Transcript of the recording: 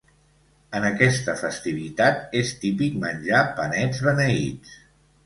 En aquesta festivitat és típic menjar panets beneïts.